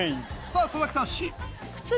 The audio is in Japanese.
さあ佐々木さん